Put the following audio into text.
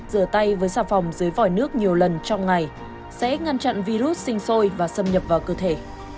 rửa tay với xà phòng dưới vòi nước nhiều lần trong ngày sẽ ngăn chặn virus sinh sôi và xâm nhập vào cơ thể